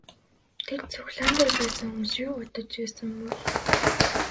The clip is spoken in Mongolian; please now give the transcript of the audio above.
Тэр цуглаан дээр байсан хүмүүс юу бодож байсан бол?